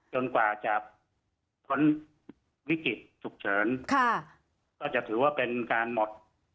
กว่าจะพ้นวิกฤตฉุกเฉินค่ะก็จะถือว่าเป็นการหมด